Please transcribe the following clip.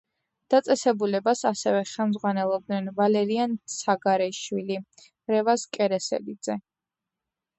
დაწესებულებას ასევე ხელმძღვანელობდნენ: ვალერიან ცაგარეიშვილი, რევაზ კერესელიძე.